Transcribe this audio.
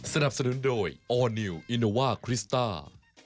สนับสนุนโดยออร์นิวอินโนว่าคริสต้า